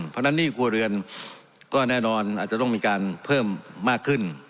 เพราะฉะนั้นหนี้ครัวเรือนก็แน่นอนอาจจะต้องมีการเพิ่มมากขึ้น